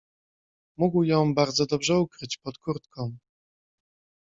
"Mógł ją bardzo dobrze ukryć pod kurtką."